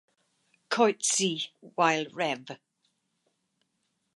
Coetzee while Rev.